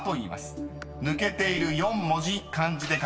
［抜けている４文字漢字で書いてください］